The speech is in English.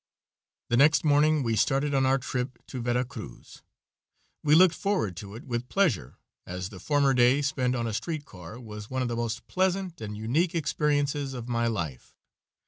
The next morning we started on our return trip to Vera Cruz. We looked forward to it with pleasure, as the former day spent on a street car was one of the most pleasant and unique experiences of my life.